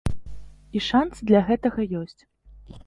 І шанцы для гэтага ёсць.